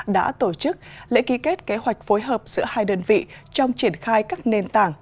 đã tổ chức lễ ký kết kế hoạch phối hợp giữa hai đơn vị trong triển khai các nền tảng